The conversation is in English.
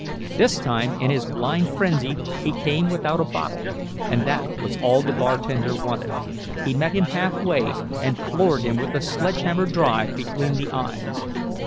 This time, in his blind frenzy, he came without a bottle, and that was all the bartender wanted—he met him halfway and floored him with a sledgehammer drive between the eyes.